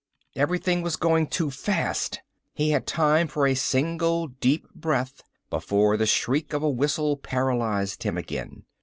Everything was going too fast. He had time for a single deep breath before the shriek of a whistle paralyzed him again.